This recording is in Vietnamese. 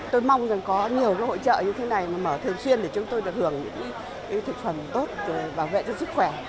tôi mong rằng có nhiều cái hội trợ như thế này mà mở thường xuyên để chúng tôi được hưởng những cái thực phẩm tốt và bảo vệ cho sức khỏe